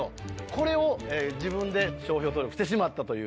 これを自分で商標登録してしまったという。